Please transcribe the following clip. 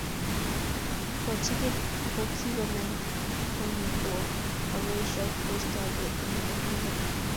Kochigil ako kingonai konyi kowo akoesio koistokei eng olindo